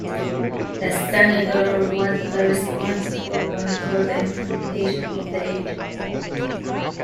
The senator was the responsible one for the implementation of the agency.